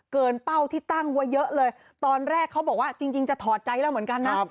เป้าที่ตั้งไว้เยอะเลยตอนแรกเขาบอกว่าจริงจะถอดใจแล้วเหมือนกันนะ